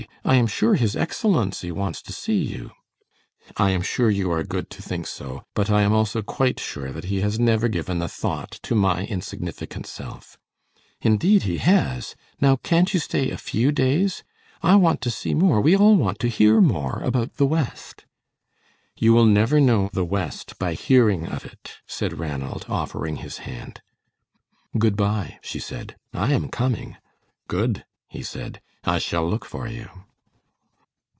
I am sure His Excellency wants to see you." "I am sure you are good to think so, but I am also quite sure that he has never given a thought to my insignificant self." "Indeed he has. Now, can't you stay a few days? I want to see more we all want to hear more about the West." "You will never know the West by hearing of it," said Ranald, offering his hand. "Good by," she said, "I am coming." "Good," he said, "I shall look for you."